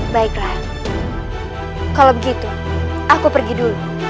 baiklah kalau begitu aku pergi dulu